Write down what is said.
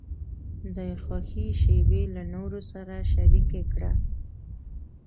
د خوښۍ شیبې له نورو سره شریکې کړه.